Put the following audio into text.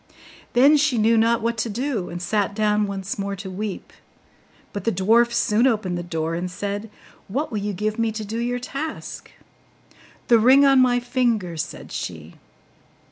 Then she knew not what to do, and sat down once more to weep; but the dwarf soon opened the door, and said, 'What will you give me to do your task?' 'The ring on my finger,' said she.